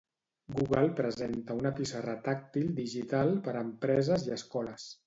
Google presenta una pissarra tàctil digital per a empreses i escoles.